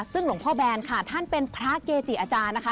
ซึ่งหลวงพ่อแบนค่ะท่านเป็นพระเกจิอาจารย์นะคะ